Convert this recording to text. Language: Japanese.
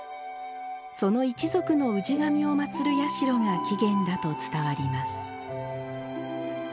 その一族の氏神を祀る社が起源だと伝わります